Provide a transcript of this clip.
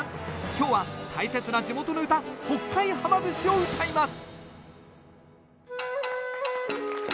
今日は大切な地元の唄「北海浜節」をうたいます